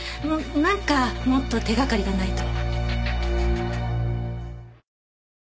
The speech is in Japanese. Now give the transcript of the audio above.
なんかもっと手掛かりがないと。